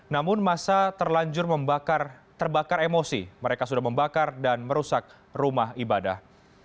namun masa terlanjur terbakar emosi mereka sudah membakar dan merusak rumah ibadah